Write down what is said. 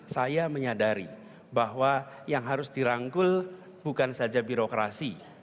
saya menyadari bahwa yang harus dirangkul bukan saja birokrasi